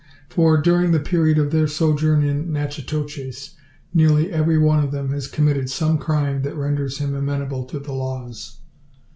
For, during the period of their sojourn in Natchitoches, nearly every one of them has committed some crime that renders him amenable to the laws.